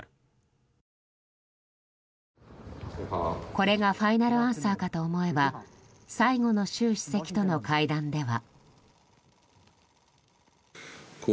これがファイナルアンサーかと思えば最後の習主席との会談では。